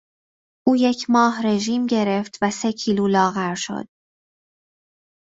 او یک ماه رژیم گرفت و سه کیلو لاغر شد.